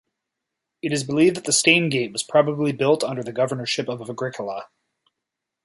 It is believed that the Stanegate was probably built under the governorship of Agricola.